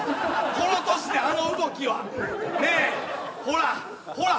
この年であの動きはねえほらほら